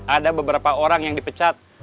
ada beberapa orang yang dipecat